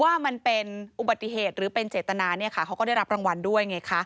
ว่ามันเป็นอุบัติเหตุหรือเป็นเจตนาเนี่ยค่ะเขาก็ได้รับรางวัลด้วยไงคะ